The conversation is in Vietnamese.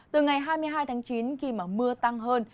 từ ngày hai mươi hai tháng chín khi mà mưa tăng hơn